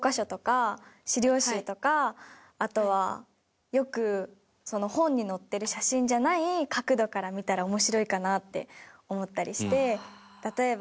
あとはよく本に載ってる写真じゃない角度から見たら面白いかなって思ったりして。